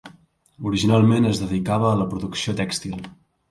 Originalment es dedicava a la producció tèxtil.